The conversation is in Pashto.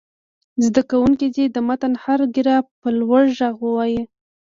زده کوونکي دې د متن هر پراګراف په لوړ غږ ووايي.